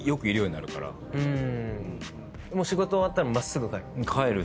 仕事終わったら真っすぐ帰る？